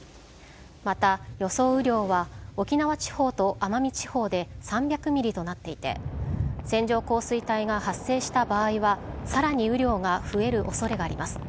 また、予想雨量は沖縄地方と奄美地方で３００ｍｍとなっていて線状降水帯が発生した場合はさらに雨量が増える恐れがあります。